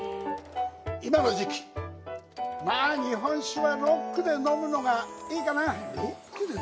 今の時期、まあ日本酒はロックで飲むのがいいかな。